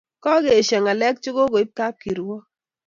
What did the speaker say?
kakeesho ngalek chekokiib kapkirwok